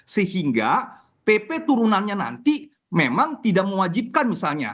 sehingga pp turunannya nanti memang tidak mewajibkan misalnya